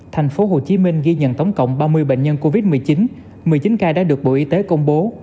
tp hcm ghi nhận tổng cộng ba mươi bệnh nhân covid một mươi chín một mươi chín ca đã được bộ y tế công bố